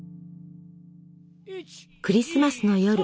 クリスマスの夜。